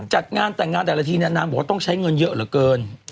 จัดงานแต่งงานแต่ละทีเนี่ยนางบอกว่าต้องใช้เงินเยอะเหลือเกิน